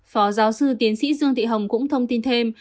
phó giáo sư tiến sĩ dương thị hồng cũng thông tin thêm